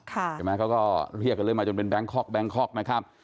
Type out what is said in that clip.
เขาก็เรียกกันเลยมาจนเป็นแบงคอกแบงคอกนะครับ